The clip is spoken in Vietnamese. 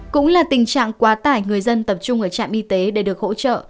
cũng là tình trạng quá tải người dân tập trung ở trạm y tế để được hỗ trợ